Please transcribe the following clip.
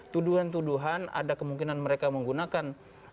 tuduhan tuduhan ada kemungkinan mereka menggunakan